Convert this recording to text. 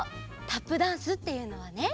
タップダンスっていうのはね